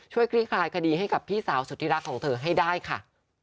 ช่วยคลิกลายคดีให้กับพี่สาวสุธิลักษณ์ของเธอให้ได้ค่ะ